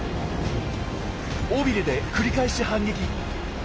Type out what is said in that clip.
尾びれで繰り返し反撃！